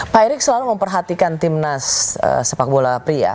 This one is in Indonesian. pak erick selalu memperhatikan timnas sepak bola pria